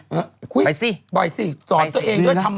อยู่นอกปลายปลาบ้างไหม